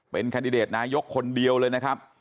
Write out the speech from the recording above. เป็นแคนดิเดตนายกคนเดียวเลยนะครับ